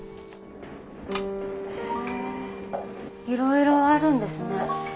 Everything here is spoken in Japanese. いろいろあるんですね。